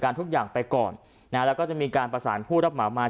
ทุกอย่างไปก่อนนะฮะแล้วก็จะมีการประสานผู้รับเหมามา